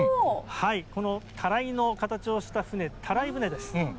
このたらいの形をした舟、たらい舟です。